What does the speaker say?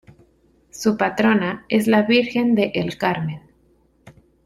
Su patrona es la Virgen de El Carmen.